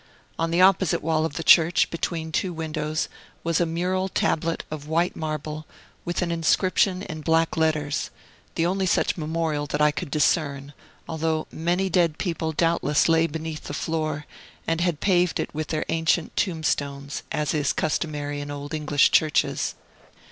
On the opposite wall of the church, between two windows, was a mural tablet of white marble, with an inscription in black letters, the only such memorial that I could discern, although many dead people doubtless lay beneath the floor, and had paved it with their ancient tombstones, as is customary in old English churches.